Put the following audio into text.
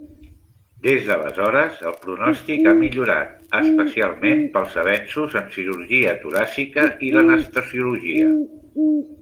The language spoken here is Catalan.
Des d'aleshores, el pronòstic ha millorat, especialment pels avenços en cirurgia toràcica i l'anestesiologia.